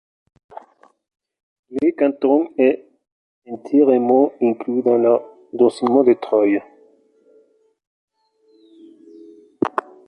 Le canton est entièrement inclus dans l'arrondissement de Troyes.